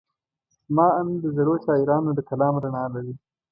زما اند د زړو شاعرانو د کلام رڼا لري.